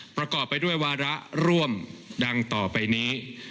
ประกอบไปด้วยวาระร่วมดังต่อไปนี้